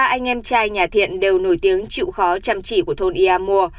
ba anh em trai nhà thiện đều nổi tiếng chịu khó chăm chỉ của thôn ia mua